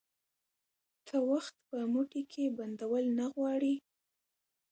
ته وخت په موټې کي بندول نه غواړي